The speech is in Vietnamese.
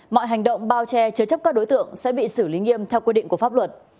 mọi hành động bao che chứa chấp các đối tượng sẽ bị xử lý nghiêm theo quy định của pháp luật